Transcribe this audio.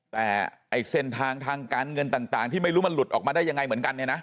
แต่ไอ้เส้นทางทางการเงินต่างที่ไม่รู้มันหลุดออกมาได้ยังไงเหมือนกันเนี่ยนะ